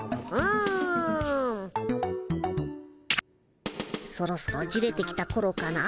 そろそろじれてきたころかな。